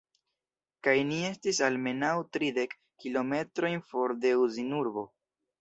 Kaj ni estis almenaŭ tridek kilometrojn for de Uzinurbo.